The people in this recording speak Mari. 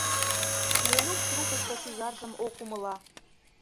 — Ленук трукышто шӱжаржым ок умыло.